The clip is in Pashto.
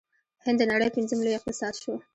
هند د نړۍ پنځم لوی اقتصاد شو.